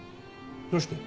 どうして？